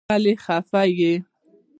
ولې خفه يې.